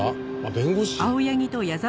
弁護士？